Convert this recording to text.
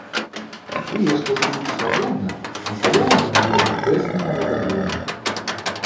Тыя, што жывуць свабодна, насяляюць глебу, прэсныя вадаёмы.